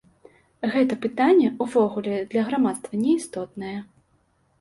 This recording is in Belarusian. Гэта пытанне, увогуле, для грамадства не істотнае.